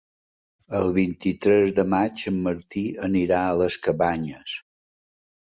El vint-i-tres de maig en Martí anirà a les Cabanyes.